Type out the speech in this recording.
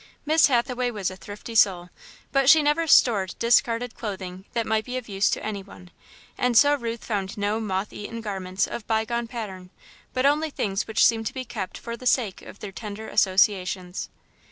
Miss Hathaway was a thrifty soul, but she never stored discarded clothing that might be of use to any one, and so Ruth found no moth eaten garments of bygone pattern, but only things which seemed to be kept for the sake of their tender associations.